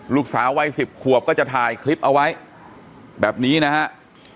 ลูกสาววัย๑๐ขวบก็จะถ่ายคลิปเอาไว้แบบนี้นะฮะ